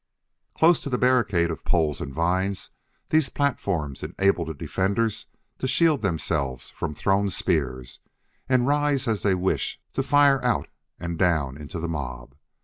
Close to the barricade of poles and vines, these platforms enabled the defenders to shield themselves from thrown spears and rise as they wished to fire out and down into the mob.